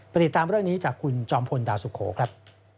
ติดตามเรื่องนี้จากคุณจอมพลดาวสุโขครับ